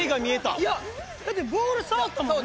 いやだってボール触ったもんな。